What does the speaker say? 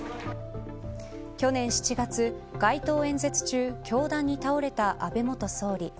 去年７月街頭演説中凶弾に倒れた安倍元総理。